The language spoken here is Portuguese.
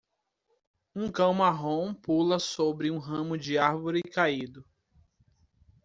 Um cão marrom pula sobre um ramo de árvore caído.